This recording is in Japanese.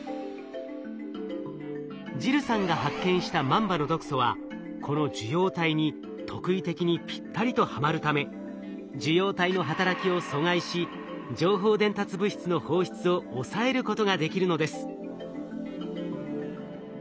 ジルさんが発見したマンバの毒素はこの受容体に特異的にぴったりとはまるため受容体の働きを阻害し情報伝達物質の放出を抑えることができるのです。